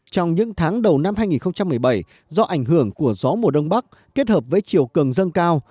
trong những tháng đầu năm hai nghìn một mươi bảy do ảnh hưởng của gió mùa đông bắc kết hợp với chiều cường dâng cao